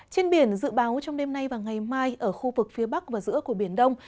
trên biển dự báo trong đêm nay và ngày mai ở khu vực phía bắc và giữa của biển đông